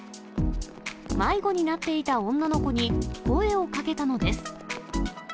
迷子になっていた女の子に声をかけたのです。